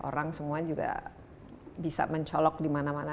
orang semua juga bisa mencolok di mana mana